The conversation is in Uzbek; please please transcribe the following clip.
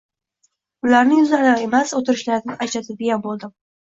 Ularni yuzlaridan emas, o`tirishlaridan ajratadigan bo`ldim